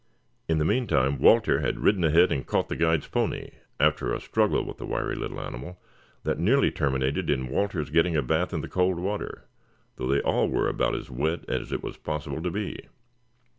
In the meantime Walter had ridden ahead and caught the guide's pony after a struggle with the wiry little animal that nearly terminated in Walter's getting a bath in the cold water, though they all were about as wet as it was possible to be.